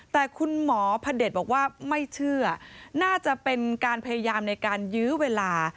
แต่คุณหมอพระเด็จบอกว่าไม่เชื่อน่าจะเป็นการพยายามในการยื้อเวลา